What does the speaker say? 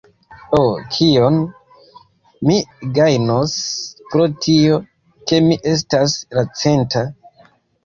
Ho, kion mi gajnos pro tio, ke mi estas la centa?